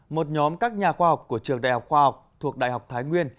một nhóm các nhà khoa học của trường đại học khoa học thuộc đại học thái nguyên